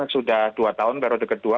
sudah dua tahun periode kedua